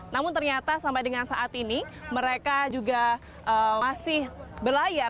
namun ternyata sampai dengan saat ini mereka juga masih berlayar